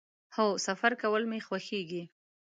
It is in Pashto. هو، سفر کول می خوښیږي